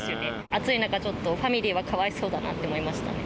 暑い中、ちょっとファミリーはかわいそうだなって思いましたね。